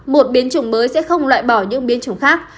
một biến chủng mới sẽ không loại bỏ những biến chủng khác